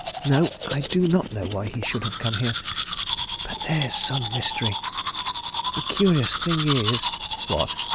No! I do not know why he should have come here! But there's some mystery. The curious thing is " "What?"